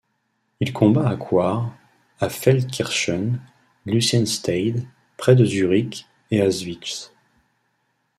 Il combat à Coire, à Feldkirchen, Luciensteidt, près de Zurich et à Schwitz.